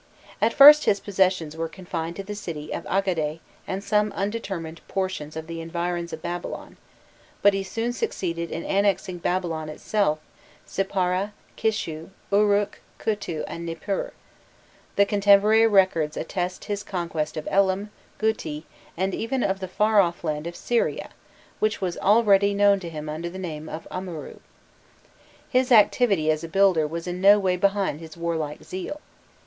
At first his possessions were confined to the city of Agade and some undetermined portions of the environs of Babylon, but he soon succeeded in annexing Babylon itself, Sippara, Kishu, Uruk, Kuta, and Nipur: the contemporary records attest his conquest of Elam, Guti, and even of the far off land of Syria, which was already known to him under the name of Amuru. His activity as a builder was in no way behind his warlike zeal.